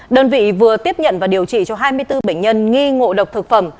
đơn vị vừa tiếp nhận và điều trị cho hai mươi bốn bệnh nhân nghi ngộ độc thực phẩm